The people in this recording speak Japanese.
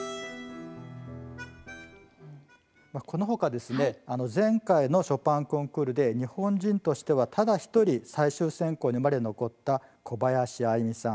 このほか前回のショパンコンクールで日本人としてはただ１人最終選考にまで残った小林愛実さん。